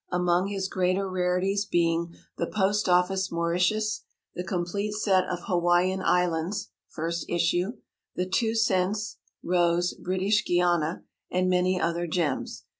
among his greater rarities being the "Post Office" Mauritius, the complete set of Hawaiian Islands (first issue), the 2 cents, rose, British Guiana, and many other gems.